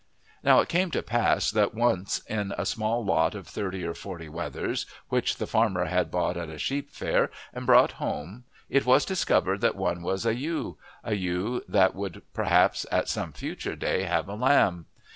Now it came to pass that once in a small lot of thirty or forty wethers which the farmer had bought at a sheep fair and brought home it was discovered that one was a ewe a ewe that would perhaps at some future day have a lamb!